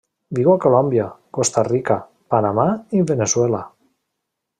Viu a Colòmbia, Costa Rica, Panamà i Veneçuela.